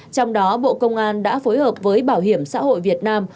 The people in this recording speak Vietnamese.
trong đó bộ công an đã phối hợp với bảo hiểm xã hội việt nam